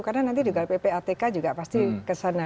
karena nanti juga ppatk juga pasti kesana